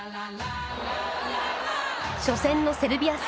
初戦のセルビア戦。